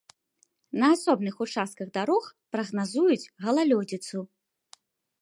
На асобных участках дарог прагназуюць галалёдзіцу.